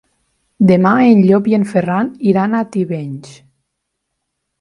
Demà en Llop i en Ferran iran a Tivenys.